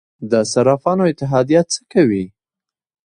د صرافانو اتحادیه څه کوي؟